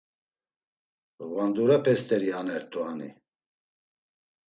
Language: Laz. Ğvandurepe st̆eri anert̆u hani.